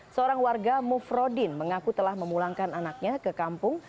seorang warga mufrodin mengaku telah memulangkan anaknya ke kampung